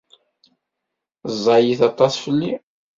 Ẓẓayit aṭas fell-i.